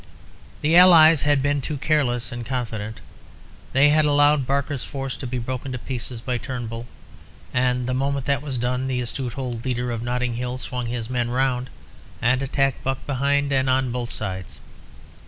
The allies had been too careless and confident. They had allowed Barker's force to be broken to pieces by Turnbull, and the moment that was done, the astute old leader of Notting Hill swung his men round and attacked Buck behind and on both sides.